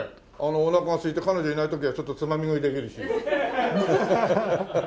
おなかがすいて彼女いない時はちょっとつまみ食いできるし。